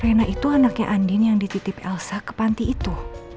penana itu anaknya andin yang dititip elsa ke panti itu